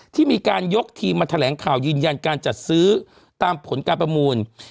ที่มีการยกทีมมาแถลงข่าวยืนยันการจัดซื้อตามผลการประมูล